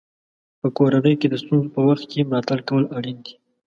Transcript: په کورنۍ کې د ستونزو په وخت کې ملاتړ کول اړین دي.